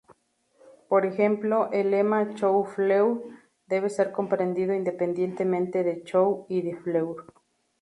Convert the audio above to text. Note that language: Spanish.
Por ejemplo, el lema "chou-fleur" debe ser comprendido independientemente de "chou" y de "fleur".